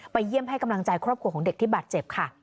เยี่ยมให้กำลังใจครอบครัวของเด็กที่บาดเจ็บค่ะ